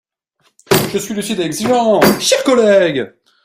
Je suis lucide et exigeant, chers collègues.